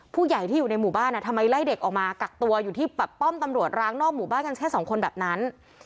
ผู้ใหญ่ที่อยู่ในหมู่บ้านทำไมไล่เด็กออกมากักตัวอยู่ที่แบบป้อมตำรวจร้างนอกหมู่บ้านกันแค่สองคนแบบนั้น